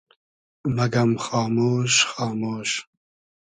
مئگئم خامۉش خامۉش